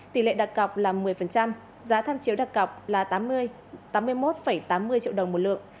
tỷ lệ đặc cọc là một mươi giá tham chiếu đặc cọc là tám mươi một tám mươi triệu đồng một lượng